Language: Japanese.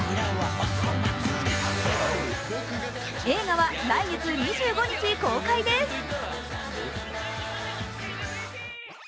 映画は来月２５日公開です。